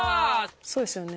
そうですよね。